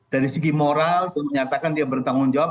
dari segi moral dia menyatakan dia bertanggung jawab